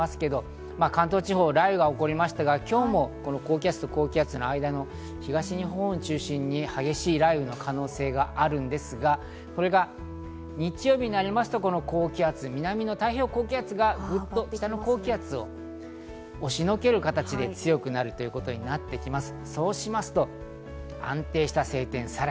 関東地方、雷雨が起こりまして、今日も高気圧と高気圧の間、東日本を中心に激しい雷雨の可能性があるんですが、これが日曜日になりますと、高気圧、南の太平洋高気圧がグッと北の高気圧を押し上げる形で強くなるということになります。